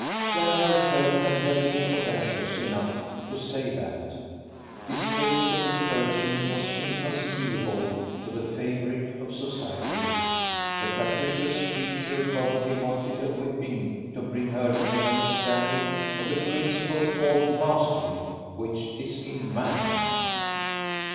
Clara herself had never been audacious enough to say that. Distaste of his person was inconceivable to the favourite of society. The capricious creature probably wanted a whipping to bring her to the understanding of the principle called mastery, which is in man.